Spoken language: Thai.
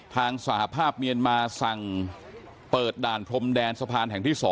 สหภาพเมียนมาสั่งเปิดด่านพรมแดนสะพานแห่งที่๒